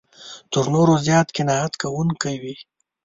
تر نورو زیات قناعت کوونکی وي.